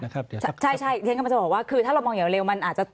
ค่ะใช่ทีนี้ก็จะบอกว่าคือถ้าเรามองอย่างเร็วมันอาจจะ